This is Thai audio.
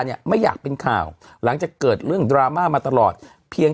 เนี่ยไม่อยากเป็นข่าวหลังจากเกิดเรื่องดราม่ามาตลอดเพียง